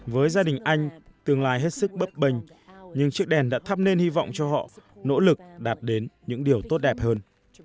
với gia đình anh tương lai hết sức bấp bênh nhưng chiếc đèn đã thắp nên hy vọng cho họ nỗ lực đạt đến những điều tốt đẹp hơn